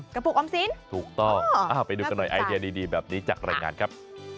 ปลูกออมสินถูกต้องไปดูกันหน่อยไอเดียดีแบบนี้จากรายงานครับ